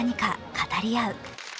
語り合う。